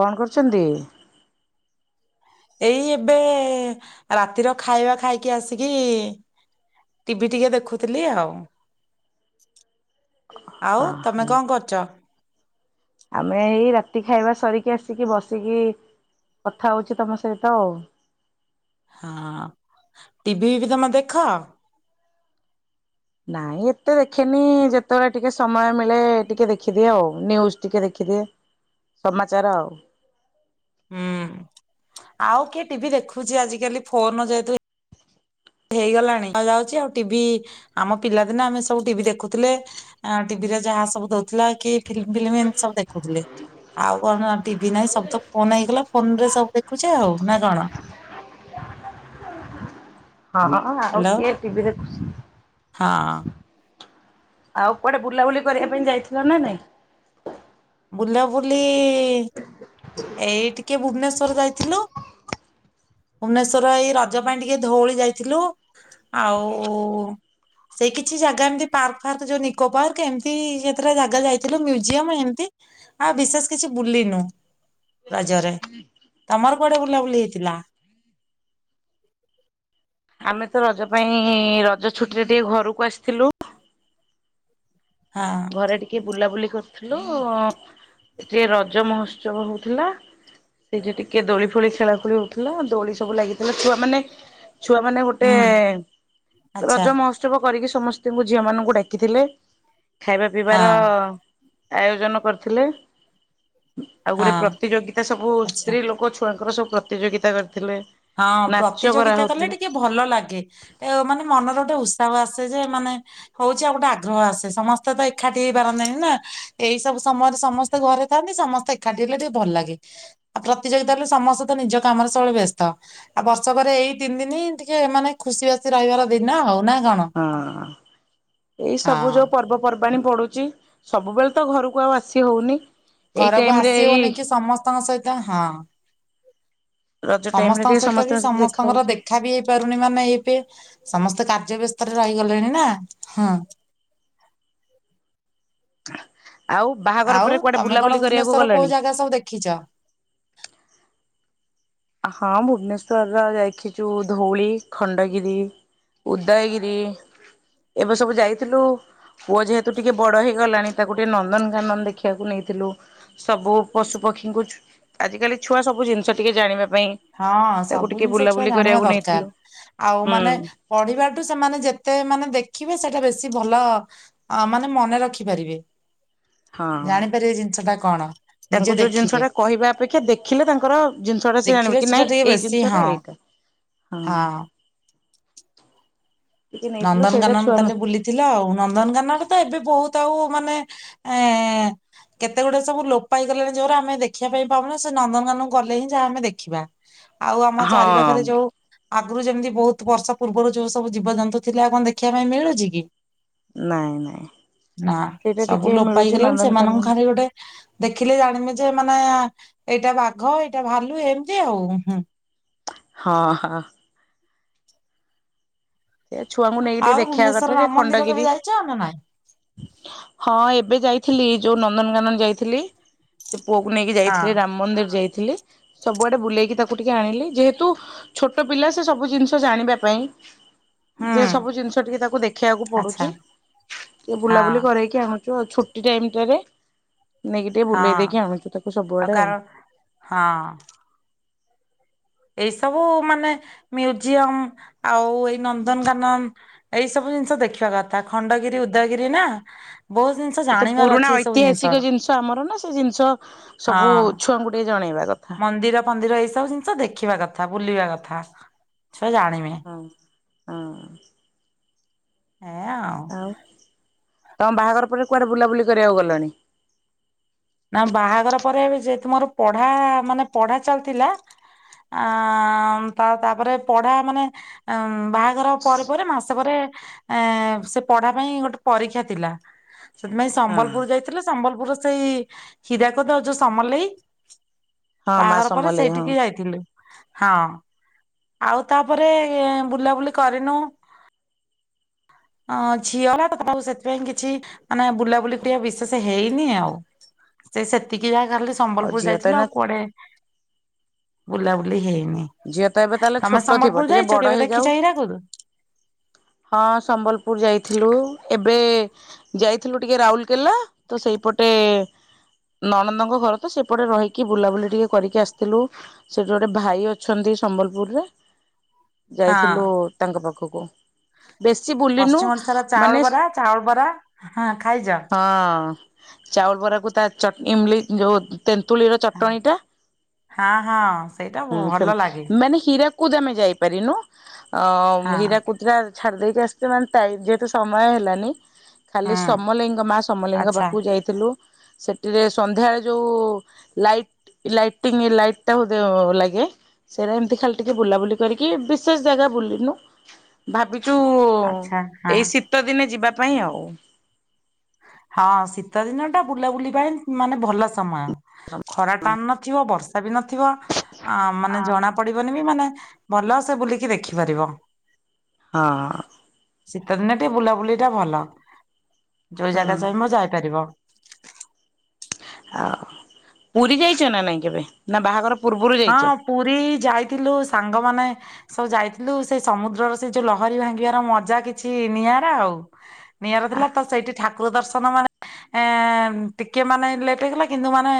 କଣ କରୁଛନ୍ତି? ଏଇ ଏବେ ରାତିର ଖାଇବା ଖାଇକି ଆସିକି ଟିଭି ଟିକେ ଦେଖୁଥିଲି ଆଉ। [inaudible] ଆଉ ଓହୋ ତମେ କଣ କରୁଚ? ଆମେ ଏଇ ରାତି ଖାଇବା ସରିକି ଆସିକି ବସିକି କଥା ହଉଛି ତମ ସହିତ ଆଉ। ହଁ। ଟିଭି ଫିଭି ତମେ ଦେଖ? ନାଇଁ ଏତେ ଦେଖେନି। ଯେତେବେଳେ ଟିକେ ସମୟ ମିଳେ ଟିକେ ଦେଖିଦିଏ ଆଉ। ନିଉଜ୍ ଟିକେ ଦେଖିଦିଏ। ସମାଚାର ଆଉ। ହୁଁ। ଆଉ କିଏ ଟିଭି ଦେଖୁଛି ଆଜିିକାଲି ଫୋନ ଯେହେତୁ ହେଇଗଲାଣି ଯାଉଛି ଆଉ ଟିଭି ଆମ ପିଲାଦିନ ଆମେ ସବୁ ଟିଭି ଦେଖୁଥିଲେ। ଟିଭି ଟିଭି ରେ ଯାହା ସବୁ ଦଉଥିଲା କି ଫିଲ୍ମ ଫିଲ୍ମ ଏମିତି ସବୁ ଦେଖୁଥିଲେ। ଆଉ କଣ ଟିଭି ନାହିଁ, ସବୁ ତ ଫୋନ ହେଇଗଲା ଫୋନ ରେ ସବୁ ଦେଖୁଛେ ଆଉ। ନା କଣ? [inaudible] ହଁ। ଆଉ ହ୍ୟାଲୋ କିଏ ଟିଭି ଦେଖୁଛି? ହଁ ଆଉ କୁଆଡେ ବୁଲାବୁଲି କରିବା ପାଇଁ ଯାଇଥିଲ ନା ନାଇଁ? ବୁଲାବୁଲି ଏଇ ଟିକେ ଭୁବନେଶ୍ଵର ଯାଇଥିଲୁ। ଭୁବନେଶ୍ଵର ଏଇ ରଜ ପାଇଁ ଟିକେ ଧଉଳି ଯାଇଥିଲୁ ଆଉ। ସେଇ କିଛି ଜାଗା ଏମିତି ପାର୍କ ଫାର୍କ ଯୋଉ ନିକୋ ପାର୍କ ଏମିତି ଯେତେଟା ଜାଗା ଯାଇଥିଲୁ ମ୍ୟୁଜିୟମ ଏମିତି। ଆଉ ବିଶେଷ କିଛି ବୁଲିନୁ। ରଜରେ ତମର କୁଆଡେ ବୁଲାବୁଲି ହେଇଥିଲା? ଆମେ ତ ରଜ ପାଇଁ ରଜ ଛୁଟିରେ ଟିକେ ଘରକୁ ଆସିଥିଲୁ। ହଁ ଘରେ ଟିକେ ବୁଲାବୁଲି। କରିଥିଲୁ ଉଁ ଏଠି ରଜ ମହୋତ୍ସବ ହଉଥିଲା। ସେଇଠି ଟିକେ ଦୋଳି ଫୋଳି ଖେଳାଖୋଳି ହଉଥିଲା ଦୋଳି ସବୁ ଲାଗିଥିଲା ଛୁଆ ମାନେ। ଛୁଆ ମାନେ ଗୋଟେ ହୁଁ ଆଚ୍ଛା ରଜ ମହୋତ୍ସବ କରିକି ସମସ୍ତଙ୍କୁ ଝିଅ ମାନଙ୍କୁ ଡାକିଥିଲେ ଖାଇବା ପିଇବାର। ହଁ ଆୟୋଜନ କରିଥିଲେ ଆଉ ହଁ ଗୋଟେ ପ୍ରତିଯୋଗିତା ସବୁ ଆଚ୍ଛା ସ୍ତ୍ରୀ ଲୋକ ଛୁଆ ଙ୍କର ସବୁ ପ୍ରତିଯୋଗିତା କର ହଁ ପ୍ରତିଯୋଗିତା କଲେ ଟିକେ ଭଲ ଲାଗେ ଏ ମାନେ ମନର ଗୋଟେ ଉସ ହ ଆସେ ଯେ ମାନେ ହଉଛି ଆଉ ଗୋଟେ ଆଗ୍ରହ ଆସେ ସମସ୍ତେ ତ ଏକାଠି ହେଇପାରନ୍ତିନି ନା ଏଇ ସବୁ ସମୟରେ ସମସ୍ତେ ଘରେ ଥାନ୍ତି ସମସ୍ତେ ଏକାଠି ହେଲେ ଟିକେ ଭଲ ଲାଗେ ଆଉ ପ୍ରତିଯୋଗିତା ହେଲେ ସମସ୍ତେ ତ ନିଜ କା ମରେ ସବୁବେଳେ ବ୍ୟସ୍ତ ଆଉ ବର୍ଷକରେ ଏଇ ତିନି ଦିନ ଟିକେ ମାନେ ଖୁସି ବାସି ରହିବାର ଦିନ ଆଉ। ନା କଣ? ହଁ ଏଇ ସବୁ ହଁ ଯୋଉ ପର୍ବପର ବାଣୀ ପଡ଼ୁଛି ସବୁବେଳେ ତ ଘରକୁ ଆଉ ଆସି ହଉନି। ଏଇ ଘରକୁ ଟାଇମ ରେ ଏଇ ଆସିହଉନି କି ସମସ୍ତଙ୍କ ସହିତ ହଁ। ର ସମସ୍ତଙ୍କ ସହିତ ବି ସମସ୍ତଙ୍କର ଦେଖା ବି ହେଇପାରୁନି ମାନେ ଏବେ ସମସ୍ତେ କାର୍ଯ୍ୟ ବ୍ୟ ରେ ରହିଗଲେଣି ନା ହଁ। ଆଉ ବାହାଘର ଆଉ ପରେ କୁଆଡେ ତମେ କଣ ବୁଲାବୁଲି କରିବାକୁ ଭୁବନେଶ୍ଵର କୋଉ ଗଲେଣି? ଜାଗା ସବୁ ଦେଖିଛ? ହଁ ଭୁବନେଶ୍ଵର ଯା ଦେଖିଛୁ ଧଉଳି, ଖଣ୍ଡଗିରି। ଉଦୟଗିରି ଏବେ ସବୁ ଯାଇଥିଲୁ। ପୁଅ ଯେହେତୁ ଟିକେ ବଡ ହେଇଗଲାଣି ତାକୁ ଟିକେ ନନ୍ଦନକାନନ ଦେଖିବାକୁ ନେଇଥିଲୁ ସବୁ ପଶୁ ପ ପକ୍ଷୀଙ୍କୁ ଛୁ ଆଜି କାଲି ଛୁଆ ସବୁ ଜିନିଷ ଟିକେ ଜାଣିବା ପାଇଁ ହଁ ତାକୁ ସବୁ ଟିକେ ଜିନିଷ ଛୁଆ ବୁଲାବୁଲି ଜାଣିବା କରିବାକୁ ନେଇଥିଲୁ ଦରକାର ଆଉ ହୁଁ ମାନେ ପଢିବାଠୁ ସେମାନେ ଯେତେ ମାନେ ଦେଖିବେ ସେଇଟା ବେଶୀ ଭଲ ଅଁ ମାନେ ମନେ ରଖି ପାରିବେ। ହଁ ଜାଣିପାରିବେ ଜିନିଷ ଟା କ ତାଙ୍କୁ ଯୋଉ ଜିନିଷ ଟା କହିବା ଅପେକ୍ଷା ଦେଖିଲେ ତାଙ୍କର ଜିନିଷ ଟା ସେ ଦେଖିଲେ ଜାଣିବ କି ସେଟା ନାଇଁ ଟିକେ ଏଇ ବେଶୀ ହଁ ଜିନିଷଟା ଏଇଟା ହଁ। ହଁ ଟିକେ ନେଇଥିଲୁ ସେଇଟା ନନ୍ଦନକାନନ ଛୁଆ ତାହେଲେ ବୁଲିଥିଲ ଆଉ ନନ୍ଦନକାନନରେ ତ ଏବେ ବହୁତ ଆଉ। ମାନେ ଏଁ କେତେ ଗୁଡେ ସବୁ ଲୋପ ପାଇଗଲାଣି ଯୋଉଗୁରା ଆମେ ଦେଖିବା ପାଇଁଁ ପାଉନେ ସେ ନନ୍ଦନକାନନକୁ ଗଲେ ହିଁ ଯାହା ଆମେ ଦେଖିବା। ଆଉ ଆମ ଚାରି ହଁ ପାଖରେ ଯୋଉ ଆଗରୁ ଯେମିତି ବହୁତୁ ବର୍ଷ ପୂର୍ବରୁ ଯୋଉ ସବୁ ଜୀବଜନ୍ତୁ ଥିଲା ଆଉ କଣ ଦେଖିବା ପାଇଁ ମିଳୁଛି କି? ନାଇଁ ନାଇଁ। ନା ସେଇଟା ଟିକେ ସବୁ ଲୋପ ମିଳୁଛି ପାଇଗଲାଣି ସେମାନଙ୍କୁ ନନ୍ଦନକାନନ ଖାଲି ଗୋଟେ ଦେଖିଲେ ଜାଣିବି ଯେ ଏ ନା ଏଇଟା ବାଘ ଏଇଟା ଭାଲୁ ଏମିତି ଆଉ ହଁ ହଁ ସିଏ ଛୁଆଙ୍କୁ ନେଇକି ଆଉ ଟିକେ ଦେଖେଇବା ଭୁବନେଶ୍ଵର କଥା ସେ ରାମ ମନ୍ଦିର କେବେ ଖଣ୍ଡଗିରି ଯାଇଛ ନା ନାଇଁ? ହଁ ଏବେ ଯାଇ। ଥିଲି ଯୋଉ ନନ୍ଦନକାନନ ଯାଇଥିଲି ସେ ପୁଅକୁ ନେଇକି ହଁ ଯାଇଥିଲି ରାମ୍ ମନ୍ଦିର ଯାଇଥିଲି। ସବୁଆଡେ ବୁଲେଇକି ତାକୁ ଟିକେ ଆଣିଲି ଯେହେତୁ ଛୋଟ ପିଲା ସେ ସବୁ ଜିନିଷ ଜାଣିବା ପାଇଁ। ଯେ ହୁଁ ସବୁ ଜିନିଷ ଟିକେ ତାକୁ ଦେଖିବାକୁ ଆଚ୍ଛା ପଡୁଛି ଟିକେ ହଁ ବୁଲାବୁଲି କରରେଇକି ଆଣୁ ଯୋ ଛୁଟି ଟାଇମ ଟାରେ ନେଇକି ଟିକେ ହଁ ବୁଲେଇ ଦେଇକି ଆଣୁଛୁ ତାକୁ ସବୁଆଡେ ଆଉ। ହଁ ଏଇ ସବୁ ମାନେ ମ୍ୟୁଜିୟମ ଆଉ ଏଇ ନନ୍ଦନକାନନ ଏଇ ସବୁ। ସବୁ ଜିନିଷ ଦେଖିବା କଥା ଖଣ୍ଡଗିରି ଉଦୟଗିରି ନା। ବହୁତ ଜିନିଷ ଏ ତ ଜାଣିବାର ପୁରୁଣା ଅଛି ଏଇ ସବୁ ଜିନିଷର ଐତିହାସିକ ଜିନିଷ ଆମର ନା ସେ ଜିନିଷ ସବୁ ହଁ ଛୁଆଙ୍କୁ ଟିକେ ଜଣେଇବା। କଥା ମନ୍ଦିର ଫନ୍ଦିର ଏଇ ସବୁ ଜିନିଷ ଦେଖିବା କଥା ବୁଲିବା କଥା। ଛୁଆ ଜାଣିମି। ହଁ ହଁ। ଆଉ ତମ ବାହାଘର ପରେ କୁଆଡ଼େ ବୁଲାବୁଲି କରିବାକୁ ଗଲଣି? ନା ବାହାଘର ପରେ ଯେହେତୁ ମୋର ପଢା ମାନେ ପଢା ଚାଲିଥିଲା। ଆଁମ ତା ତାପରେ ପଢା ମାନେ ଉଁ ବାହାଘର ପରେ ପରେ ମାସେ ପରେ। ଏଁ ସେ ପଢ଼ା ପାଇଁ ଗୋଟେ ପରୀକ୍ଷା ଥିଲା। ସେଥିପାଇଁ ହଁ ସମ୍ବଲପୁର ଯାଇଥିଲୁ ସମ୍ବଲପୁରର ସେଇ ହୀରାକୁଦ ଆଉ ଯଉ ସମଲେଇ। ହଁ ମା ବାହାଘର ପରେ ସମଲେଇ ହଁ ସେଇଠିକି ଯାଇଥିଲୁ ହଁ। ଆଉ ତାପରେ ଏଁ ବୁଲାବୁଲି କରିନୁ। ହ ହଁ ଝିଅ ହେଲା ତ ତାପକୁ ସେଥିପାଇଁ କିଛି ମାନେ ବୁଲାବୁଲି ଟିକେ ବିଶେସେ ହେଇନି ଆଉ। ସେ ସେତିକି ଯାହା ଖାଲି ଆଉ ସମ୍ବଲପୁର ଝିଅ ତ ଯାଇଥିଲୁ ଏଇନା ଆଉ କୁଆଡେ ବୁଲାବୁଲି ହେଇ ଝିଅ ତ ଏବେ ତାହେଲେ ଛୋଟ ଥିବ ଟିକେ ଯାଇଛ ବଡ଼ କେବେ ଦେଖିଛ ହେଇଯାଉ। ହୀରାକୁଦ? ହଁ, ସମ୍ବଲପୁର ଯାଇଥିଲୁ। ଏବେ ଯାଇଥିଲୁ ଟିକେ ରାଉରକେଲା। ତ ସେହି ପଟେ ନଣନ୍ଦଙ୍କ ଘର ତ, ସେପଟେ ରହିକି ବୁଲାବୁଲି ଟିକେ କରିକି ଆସିଥିଲୁ। ସେଠି ଗୋଟେ ଭାଇ ଅ ଅଛନ୍ତି, ସମ୍ବଲପୁରରେ। ହଁ ଯାଇଥିଲୁ ତାଙ୍କ ପାଖକୁ। ବେଶୀ ବୁଲିନୁ ପଶ୍ଚିମ ଓଡିଶାର ଚାଉଳ ମାନେ, ବରା ଚାଉଳ ବରା ହଁ ଖାଇଛ? ହଁ। ଚାଉଳ ବରାକୁ, ତା ଚଟଣି, ଇମଲି ଯୋଉ ତେନ୍ତୁଳି ର ଚଟଣିଟା। ହଁ ହଁ ସେଇଟା ଭଲ ହୁଁ। ଲାଗେ ମାନେ ହୀରାକୁଦ ଆମେ ଯାଇପାରିନୁ। ଅ, ହଁ ହୀରା କୁଦ ଟା ଛାଡ଼ି ଦେଇକି ଆସିଛିେ ମାନେ ଟାଇପ୍ ଯେହେତୁ ସମୟ ହେଲାନି। ଖାଲି ହୁଁ ସମଲେଇ ମା ସମଲେଇଙ୍କ ଆଚ୍ଛା। ପାଖକୁ ଯାଇଥିଲୁ। ସେଠିରେ ସନ୍ଧ୍ୟାବେଳେ ଯୋଉ ଲାଇଟ୍ ଲାଇଟିଂ ଲାଇଟ୍ ଟା ହଧ ଲାଗେ। ସେଇଟା ଏମିତି ଖାଲି ଟିକେ ବୁଲାବୁଲି କରିକି ବିଶେଷ ଜାଗା ବୁଲିନୁ ଭାବିକି ଚୁ ଆଚ୍ଛା ହଁ ଏଇ ଶୀତ ଦିନେ ଯିବା ପାଇଁ ଆଉ। ହଁ ଶୀତ ଦିନ ଟା ବୁଲାବୁଲି ପାଇଁ ମାନେ ଭଲ ସମୟ। ଖରା ଟାନ ନଥିବ ବର୍ଷା ବି ନଥିବ ଆ ମାନେ ଜଣା ପଡିବନି ବି ମାନେ। ଭଲସେ ବୁଲିକି ଦେଖିପାରିବ। ହଁ। ଶୀତ ଦିନେ ଟିକେ ବୁଲା, ବୁଲି ଟା ଭଲ। ଯୋଉ ଜାଗା ହଁ ଚାହିଁବ ଯାଇପାରିବ। ଆଉ। ପୁରୀ ଯାଇଛ ନା ନାଇଁ କେବେ? ନା ବାହାଘର ପୂର୍ବରୁ ହଁ, ଯାଇଛ ପୁରୀ ଯାଇଥିଲୁ, ସାଙ୍ଗମାନେ ସବୁ ଯାଇଥିଲୁ। ସେଇ ସମୁଦ୍ରର ସେ ଯୋଉ ଲହରୀ ଭାଙ୍ଗିବାର, ମଜା କିଛି ନିଆରା ଆଉ। ନିଆର ଥିଲା। ତ ସେଇଠି, ଠାକୁର ଦର୍ଶ ସନ, ମାନେ ଏ, ଟିକିଏ ମାନେ, ଲେଟ୍ ହେଇଗଲା। କିନ୍ତୁ ମାନେ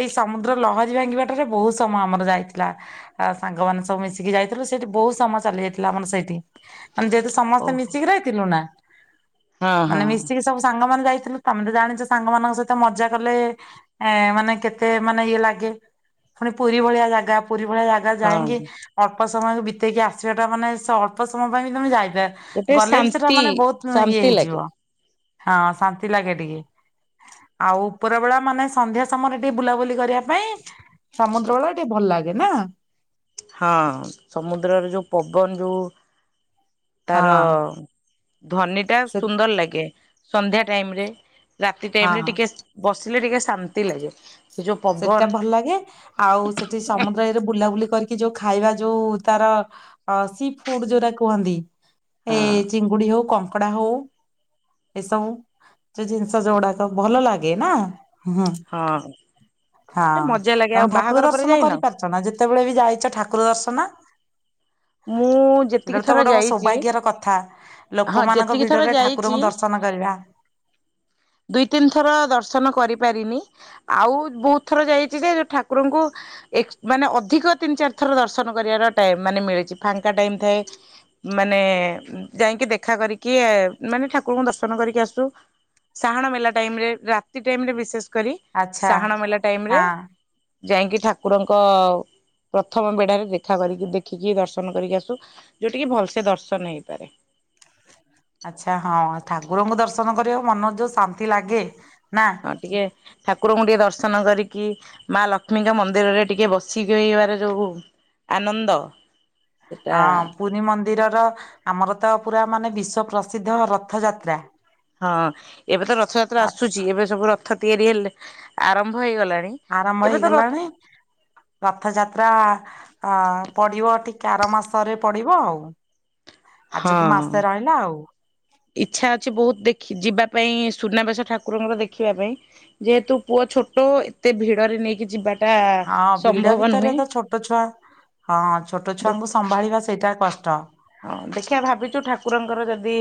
ଏଇ ସମୁଦ୍ର ଲହରୀ, ଭାଙ୍ଗିବା ଟାରେ ବହୁତ ସମ ସମୟ, ଆମର ଯାଇଥିଲା। ସାଙ୍ଗମାନେ‌ ସବୁ ମିଶିକି ଯାଇଥିଲୁ। ସେଇଠି ବହୁତ ସମୟ ଚାଲି ଯାଇଥିଲା, ଆମର ସେଇଠି। ମାନେ ଯେହେତୁ, ସମସ୍ତେ ଓହୋ ମିଶିକି ରହିଥିଲୁ ନା ହଁ ହଁ ମାନେ ମିଶିକି ସବୁ ସାଙ୍ଗମାନେ, ଯାଇ ଥିଲୁ, ତମେ ତ ଜାଣିଛ, ସାଙ୍ଗ ମାନଙ୍କ ସହିତ ମଜା କଲେ, ଏ ମାନେ କେତେ, ମାନେ ଇଏ ଲାଗେ। ପୁଣି ପୁରୀ ଭଳିଆ ଜାଗା। ପୁରୀ ଭଳିଆ ଜାଗା ଯାଇଁକି ହଁ ଅ ଅଳ୍ପ ସମୟକୁ ବିତେଇକି ଆସିବାଟା ମାନେ, ସେ ଅଳ୍ପ ସମୟ ପାଇଁ ବି ତମେ ଯାଇ ଗୋଟେ ଗଲେ ବି ସେଟା ଶାନ୍ତି ମାନେ ବହୁତ ଇଏ ଶାନ୍ତି ଲାଗେ। ହେଇଯିବ। ହଁ ଶାନ୍ତି ଲାଗେ ଟିକେ। ଆଉ ଉପର ବେଳା, ମାନେ ସନ୍ଧ୍ୟା ସମୟରେ, ଟିକେ ବୁଲାବୁଲି କରିବା ପାଇଁ ସମୁଦ୍ର ବାଳା, ଟିକେ ଭଲ ଲାଗେ ନା। ହଁ ସମୁଦ୍ରରେ, ଯୋଉ ପବନ ଯୋଉ। ତାର ହଁ ଧନୀ ଟା ସେ ସୁନ୍ଦର ଲାଗେ। ସନ୍ଧ୍ୟା ଟାଇମ ରେ। ରାତି ହଁ ଟାଇମ ରେ ଟିକେ, ବସିଲେ ଟିକେ ଶାନ୍ତି ଲାଗେ। ସେ ଯୋଉ ପବନ ସେଇଟା ଭଲ ଲାଗେ। ଆଉ ସେଠି ସମୁଦ୍ର ଇଏରେ ବୁଲାବୁଲି କରିକି ଯୋଉ ଖାଇବା, ଯୋଉ ତାର ସି ଫୁଡ, ଯୋଉରା କୁହନ୍ତି। ଏ ହଁ ଚିଙ୍ଗୁଡି ହଉ କଣ କଙ୍କଡା ହଉ, ଏସବୁ ଯୋଉ ଜିନିଷ ଯୋଉଗୁଡାକ, ଭଲ ଲାଗେ ନା। ହୁଁ ହଁ। ହଁ ଗୋଟେ ମଜା ଲାଗେ ଆଉ ତମେ ଠାକୁର ବାହାଘର ପରେ ଦର୍ଶନ ଯାଇନ? କରିପାରୁଚନା? ଯେତେବେଳେ ବି ଯାଇଛ ଠାକୁର ଦର୍ଶନ। ମୁଁ ଯେତିକି ସେଟା ତ ଥର ଗୋଟେ, ମୋ ଯାଇଛି ସୌଭାଗ୍ୟର କଥା। ହଁ ଲୋକମାନଙ୍କ ଯେତିକି ଥର ଭିଡରେ, ଯାଇଛି ଠାକୁରଙ୍କୁ ଦର୍ଶନ କରିବା। ଦୁଇ, ତିନି ଥର ଦର୍ଶନ କରି ପାରିନି। ଆଉ ବହୁତ ଥର ଯାଇଛି ଯେ, ଠାକୁରଙ୍କୁ ଏକ୍, ମାନେ ଅଧିକ ତିନି ଚାରି ଥର ଠାକୁର ଦର୍ଶନ କରିବାର ଟାଇମ୍ ମିଳିଛି। ଫାଙ୍କା ଟାଇମ ଥାଏ। ମାନେ ଯାଇଁକି ଦେଖା କରିକି, ମାନେ ଠାକୁରଙ୍କୁ ଦର୍ଶନ କରିକି ଆସୁ। ସାହାଣ ମେଲା ଟାଇମ୍ ରେ, ରାତି ଟାଇମ୍ ରେ ବିଶେଷ କରି, ଆଚ୍ଛା ସାହାଣ ମେଲା ଟାଇମ୍ ରେ। ହଁ ଯାଇକି ଠାକୁରଙ୍କ ପ୍ରଥମ ବେଢ଼ାରେ ଦେଖା କରିକି, ଦେଖିକି ଦର୍ଶନ କରିକି ଆସୁ। ଯୋଉଠିକି ଭଲସେ ଦର୍ଶନ ହେଇପାରେ। ଆଛା, ହଁ। ଠାକୁରଙ୍କୁ ଦର୍ଶନ କରିବାକୁ ମନରେ ଯୋଉ ଶାନ୍ତି ଲାଗେ। ନା ହଁ, ଟିକେ ଠାକୁରଙ୍କୁ ଟିକେ ଦର୍ଶନ କରିକି, ମା ଲକ୍ଷ୍ମୀଙ୍କ ମନ୍ଦିରରେ ଟିକେ ବସିକିଇବାର ଯୋଉ ଆନନ୍ଦ। ସେଟା ହଁ, ପୁରୀ ମନ୍ଦିରର, ଆମର ତ ପୁରା ମାନେ ବିଶ୍ଵ ପ୍ରସିଦ୍ଧ, ରଥଯାତ୍ରା। ହଁ ଏବେ ତ ରଥଯାତ୍ରା ଆସୁଛି। ଏବେ ସବୁ ରଥ ତିଆରି ହେଲେ, ଆରମ୍ଭ ହେଇଗଲା ଆରମ୍ଭ ହେଇଗଲାଣି। ରଥଯାତ୍ରା ଅ, ପଡିବ ଟିକେ କାର ମାସରେ ପଡିବ ଆଉ। ଆଜକୁ ହଁ ମାସେ ରହିଲା ଆଉ। ଇଚ୍ଛା ଅଛି ବହୁତ ଦେଖି ଯିବା ପାଇଁ ସୁନାବେସ ଠାକୁରଙ୍କର ଦେଖିବା ପାଇଁ ଯେହେତୁ ପୁଅ ଛୋଟ ଏତେ ଭିଡରେ ନେଇକି ଯିବା ହଁ ଭିଡ ଭିତରେ ତ ଛୋଟ ଛୁଆ ହଁ ଛୋଟ ଦେଖ ଛୁଆଙ୍କୁ ସମ୍ଭାଳିବା ସେଇଟା କଷ୍ଟ। ହଁ ଦେଖିିବା ଭାବିଛୁ ଠାକୁରଙ୍କର ଯଦି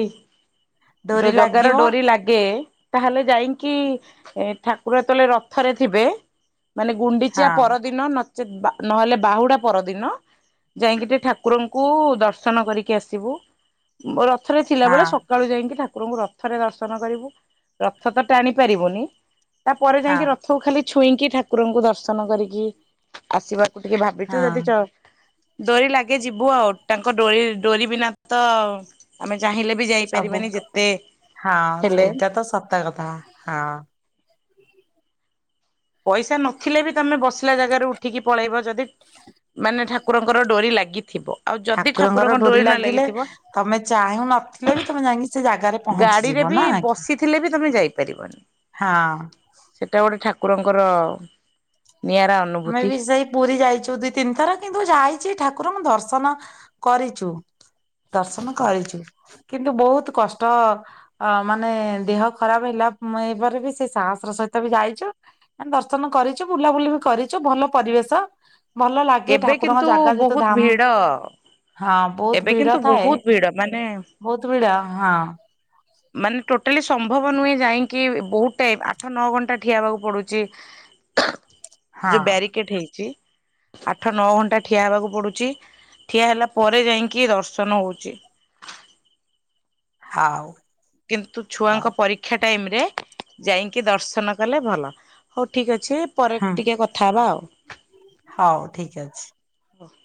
ଡୋରି ଜଗାର ଲାଗିବ ଡୋରି ଲାଗେ ତାହେଲେ ଯାଇକି ଏ ଠାକୁର ଯେତେବେଳେ ରଥରେ ଥିବେ ମାନେ ହଁ ଗୁଣ୍ଡିଚାଆ ପରଦିନ ସେ ନହେଲେ ବାହୁଡା ପରଦିନ ଯାଇକି ଟିକେ ଠାକୁରଙ୍କୁ ଦର୍ଶନ କରିକି ଆସିବୁ ରଥରେ ହଁ ଥିଲାବେଳେ ସକାଳୁ ଯାଇକି ଠାକୁର ଙ୍କୁ ରଥରେ ଦର୍ଶନ କରିବୁ ରଥ ତ ଟାଣି ପାରିବୁନି ତାପରେ ହଁ ଯାଇକି ରଥକୁ ଖାଲି ଛୁଇଁକି ଠାକୁରଙ୍କୁ ଦର୍ଶନ କରିକି ଆସିବାକୁ ଟିକେ ଭାବିଛୁ ଯଦି ହଁ ଡୋରି ଲାଗେ ଯିବୁ ଆଉ ତାଙ୍କ ଡୋରି ଡୋରି ବିନା ତ ଆମେ ଚାହିଁଲେ ବି ସବୁ ଯାଇପାରିବାନି ଯେତେ ହଁ ହେଲେ ସେଇଟା ତ ସତ କଥା ହଁ। ପଇସା ନଥିଲେ ବି ତମେ ବସିଲା ଜାଗାରୁ ଉଠିକି ପଳେଇବ ଯଦି ମାନେ ଠାକୁରଙ୍କର ଡୋରି ଲାଗିଥିବ। ଆଉ ଯଦି ଠାକୁରଙ୍କର ଠାକୁରଙ୍କ ଡୋରି ନ ଲାଗିଲେ ଲାଗିଥିବ ତମେ ଚାହୁଁ ନଥିଲେ ବି ତମେ ଯାଇକି ସେ ଜାଗାରେ ଗାଡିରେ ପହଞ୍ଚିଯିବ ବି ନା କି ବସିଥିଲେ ବି ତମେ ଯାଇପାରିବନି ହଁ ସେଟା ଗୋଟେ ଗୋଟେ ଠାକୁରଙ୍କର ନିଆରା ଆମେ ଅନୁଭୂତି ବି ସେଇ ପୁରୀ ଯାଇଛୁ ଦୁଇ ତିନି ଥର କିନ୍ତୁ ଯାଇଛି ଠାକୁରଙ୍କୁ ଦର୍ଶନ ଦର୍ଶନ କରିଛୁ ଦର୍ଶନ କରିଛୁ। କିନ୍ତୁ ବହୁତ କଷ୍ଟ ଅ ମାନେ ଦେହ ଖରାପ ହେଲା ପରେ ବି ସେ ସାହସର ସହି ତେ ବି ଯାଇଛୁ ଦର୍ଶନ କରିଛୁ ବୁଲାବୁଲି ବି କରିଛୁ ଭଲ ପରିବେଶ। ଭଲ ଲାଗେ ଏବେ ଠାକୁରଙ୍କ କିନ୍ତୁ ଜାଗା ଯେତୁ ବହୁତ ଧାମ। ଭିଡ ହଁ ବହୁତ ଏବେ ଭିଡ଼ା କିନ୍ତୁ ଥାଏ ବହୁତ ଭିଡ ମାନେ ବହୁତ ଭିଡ଼ା ହଁ। ମାନେ ଟୋଟାଲି ସମ୍ଭବ ନୁହେଁ ଯାଇକି ବହୁତ ଟାଇମ ଆଠ ନଅ ଘଣ୍ଟା ଠିଆବାକୁ ପଡୁଛି। ହଁ ଯୋଉ ବ୍ୟାରିକେଡ ହେଇଛି। ଆଠ ନଅ ଘଣ୍ଟା ଠିଆ ହେବାକୁ ପଡୁଛି ଠିଆ ହେଲା ପରେ ଯାଇକି ଦର୍ଶନ ହଉଛି। ହଁ। କିନ୍ତୁ ଛୁଆଙ୍କ ପରୀକ୍ଷା ଟାଇମ ରେ ଯାଇକି ଦର୍ଶନ କଲେ ଭଲ। ଠିକ୍ ଅଛି ପରେ ହୁଁ ଟିକିେ କଥା ହେବା ଆଉ। ହଉ ଠିକ ଅଛି। ଓହ।